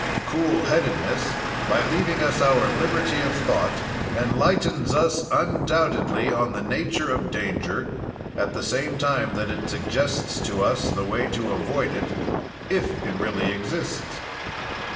"Cool headedness, by leaving us our liberty of thought, enlightens us undoubtedly on the nature of danger, at the same time that it suggests to us the way to avoid it, if it really exists.